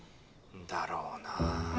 だろうな。